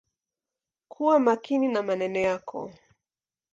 Kuwa makini na maneno yako.